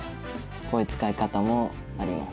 こういう使い方もあります。